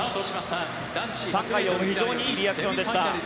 タン・カイヨウ非常にいいリアクションでした。